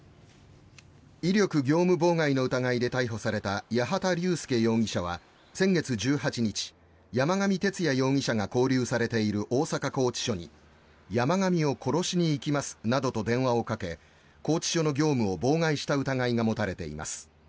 威力業務妨害の疑いで逮捕された八幡竜輔容疑者は先月１８日山上徹也容疑者が勾留されている大阪拘置所に山上を殺しに行きますなどと電話をかけ拘置所の業務を妨害した疑いが持たれています。